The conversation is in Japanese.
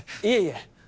いえいえ